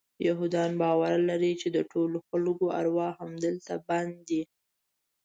یهودان باور لري چې د ټولو خلکو ارواح همدلته بند دي.